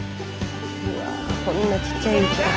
うわこんなちっちゃいうちから。